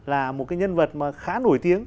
là một cái nhân vật mà khá nổi tiếng